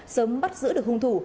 sớm bắt giữ được hung thủ